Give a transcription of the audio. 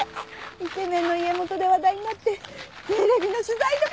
イケメンの家元で話題になってテレビの取材とか来ちゃったりして！